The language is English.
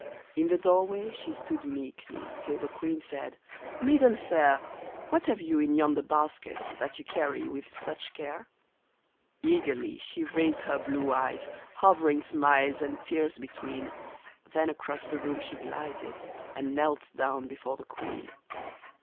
In the door way she stood meekly, till the queen said, ^' Mai den fair. What have you in yonder basket that you carry with such care ?" RENA 157 Eagerly she raised her blue eyes, hovering smiles and tears between, Then across the room she glided, and knelt down before the queen.